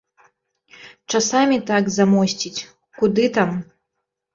Часамі так замосціць, куды там!